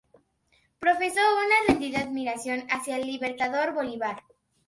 Profesó una rendida admiración hacia el Libertador Bolívar.